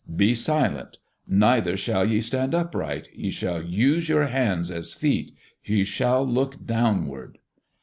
Be silent. Neither shall ye stand upright. Ye shall use your hands as feet. Ye shall look downward."